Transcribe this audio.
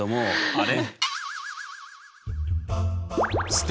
あれ？